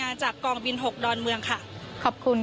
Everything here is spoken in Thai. ก็จะมีการพิพากษ์ก่อนก็มีเอ็กซ์สุข่อน